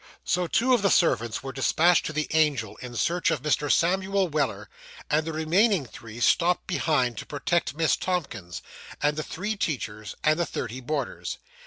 So two of the servants were despatched to the Angel in search of Mr. Samuel Weller; and the remaining three stopped behind to protect Miss Tomkins, and the three teachers, and the thirty boarders.